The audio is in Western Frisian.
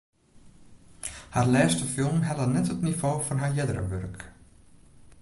Har lêste film helle net it nivo fan har eardere wurk.